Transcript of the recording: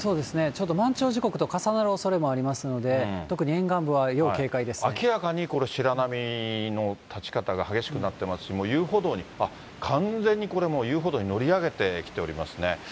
ちょうど満潮時刻と重なるおそれもありますので、特に沿岸部は要明らかにこれ、白波の立ち方が激しくなってますし、もう遊歩道に、あっ、完全に遊歩道に乗り上げてきておりますね。